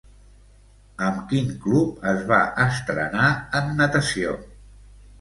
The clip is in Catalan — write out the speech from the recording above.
Amb quin club es va estrenar en natació?